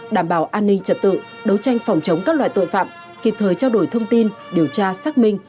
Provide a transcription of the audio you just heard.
đảm bảo an ninh trật tự đấu tranh phòng chống các loại tội phạm kịp thời trao đổi thông tin điều tra xác minh